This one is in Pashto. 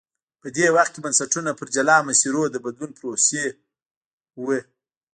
په دې وخت کې بنسټونه پر جلا مسیرونو د بدلون پروسې ووه.